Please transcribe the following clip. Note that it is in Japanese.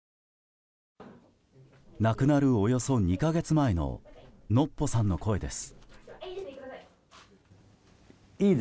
亡くなるおよそ２か月前ののっぽさんの声です。